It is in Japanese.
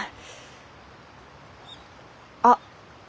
あっ！